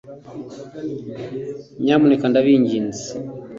nyamuneka ndabinginze.